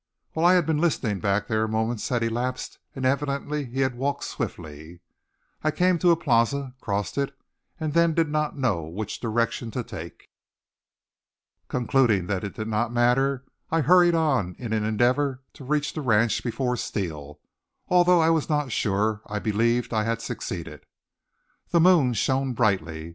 While I had been listening back there moments had elapsed and evidently he had walked swiftly. I came to the plaza, crossed it, and then did not know which direction to take. Concluding that it did not matter I hurried on in an endeavor to reach the ranch before Steele. Although I was not sure, I believed I had succeeded. The moon shone brightly.